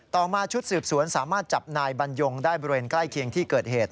ต่อมาชุดสืบสวนสามารถจับนายบรรยงได้บริเวณใกล้เคียงที่เกิดเหตุ